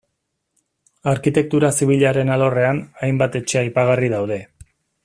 Arkitektura zibilaren alorrean, hainbat etxe aipagarri daude.